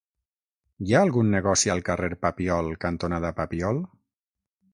Hi ha algun negoci al carrer Papiol cantonada Papiol?